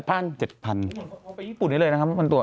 ไปญี่ปุ่นได้เลยนะครับพันตัว